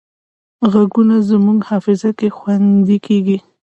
غږونه زموږ حافظه کې خوندي کېږي